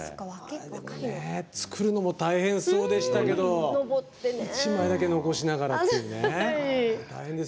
作るのも大変そうでしたけど一枚だけ残しながらっていうね。